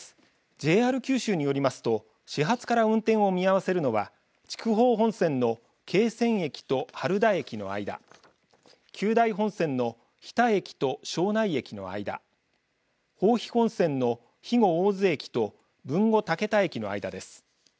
ＪＲ九州によりますと始発から運転を見合わせるのは筑豊本線の桂川駅と原田駅の間久大本線の日田駅と庄内駅の間豊肥本線の肥後大津駅と豊後竹田駅の間です。